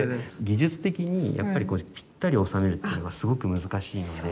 技術的にやっぱりぴったり収めるっていうのがすごく難しいので。